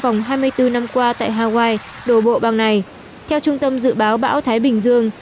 vòng hai mươi bốn năm qua tại hawaii đổ bộ bang này theo trung tâm dự báo bão thái bình dương